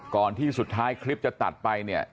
ที่สุดท้ายคลิปจะตัดไปเนี่ย